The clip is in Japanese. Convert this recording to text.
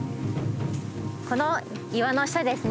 この岩の下ですね。